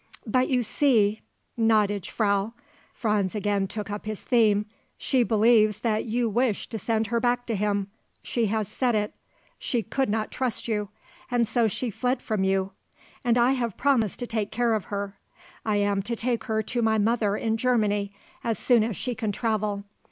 "But you see, gnädige Frau," Franz again took up his theme; "she believes that you wish to send her back to him; she has said it; she could not trust you. And so she fled from you. And I have promised to take care of her. I am to take her to my mother in Germany as soon as she can travel.